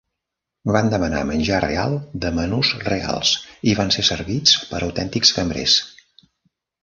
Van demanar menjar real de menús reals i van ser servits per autèntics cambrers.